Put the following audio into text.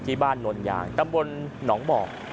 ที่บ้านนวลยางตามบนหนองบ่อง